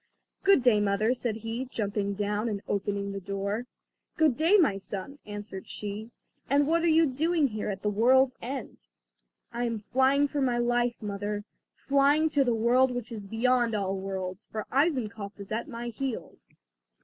"Good day, mother," said he, jumping down and opening the door. "Good day, my son," answered she, "and what are you doing here, at the world's end?" "I am flying for my life, mother, flying to the world which is beyond all worlds; for Eisenkopf is at my heels."